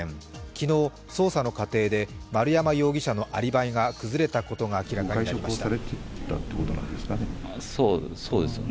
昨日、捜査の過程で丸山容疑者のアリバイが崩れたことが分かりました。